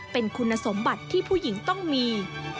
เป็นคุณสมบัติที่ผู้หญิงต้องมี